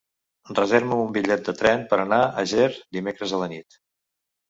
Reserva'm un bitllet de tren per anar a Ger dimecres a la nit.